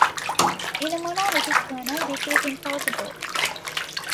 In a monolithic kernel this is impossible.